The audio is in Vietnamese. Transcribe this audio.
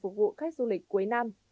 phục vụ khách du lịch cuối năm